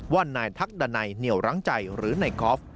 ว่านายทักดาไนเหนี่ยวร้างใจหรือไนกอฟ